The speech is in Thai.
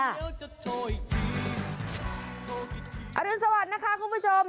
รุนสวัสดิ์นะคะคุณผู้ชม